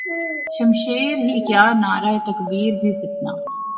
شمشیر ہی کیا نعرہ تکبیر بھی فتنہ